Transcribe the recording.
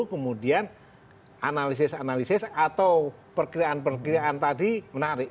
kemudian analisis analisis atau perkiraan perkiraan tadi menarik